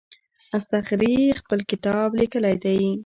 اصطخري خپل کتاب لیکلی دی.